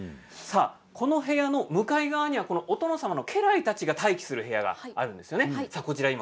この部屋の向かい側にはお殿様の家来たちが待機する部屋があるんですよね。